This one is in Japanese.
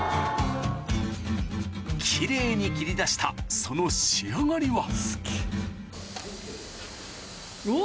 奇麗に切り出したその仕上がりはうわ！